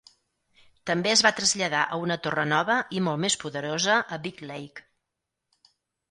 També es va traslladar a una torra nova i molt més poderosa a Big Lake.